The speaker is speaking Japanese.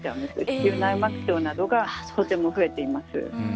子宮内膜症などがとても増えています。